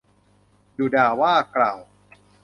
ดุด่าว่ากล่าว